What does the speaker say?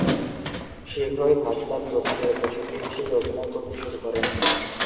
শীঘ্রই ভাস্লাভ প্রধান নৃত্যশিল্পী হিসেবে অভিনয় করতে শুরু করেন।